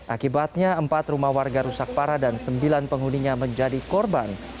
akibatnya empat rumah warga rusak parah dan sembilan penghuninya menjadi korban